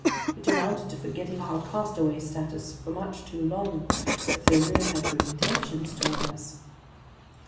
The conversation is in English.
Which amounted to forgetting our castaway status for much too long, if they really had good intentions toward us.